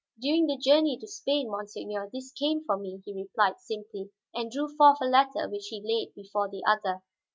"During the journey to Spain, monseigneur, this came for me," he replied simply, and drew forth a letter which he laid before the other.